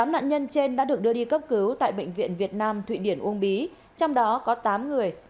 tám nạn nhân trên đã được đưa đi cấp cứu tại bệnh viện việt nam thụy điển uông bí trong đó có tám người